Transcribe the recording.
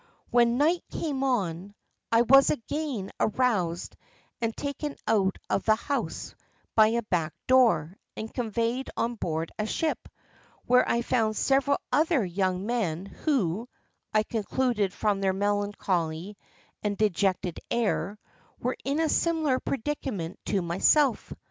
"When night came on, I was again aroused and taken out of the house by a back door and conveyed on board a ship, where I found several other young men, who, I concluded from their melancholy and dejected air, were in a similar predicament to myself.